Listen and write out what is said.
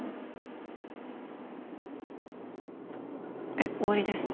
えっ終わりです。